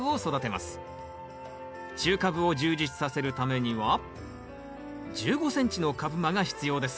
中カブを充実させるためには１５ｃｍの株間が必要です。